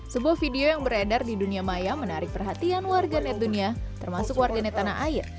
sebuah video yang beredar di dunia maya menarik perhatian warga net dunia termasuk warganet tanah air